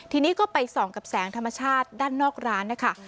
ทีนี้ก็ไปส่องกับแสงธรรมชาติด้านนอกร้านนะคะ